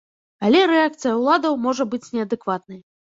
Але рэакцыя ўладаў можа быць неадэкватнай.